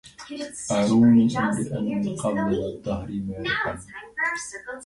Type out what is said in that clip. أروني امرءا من قبضة الدهر مارقا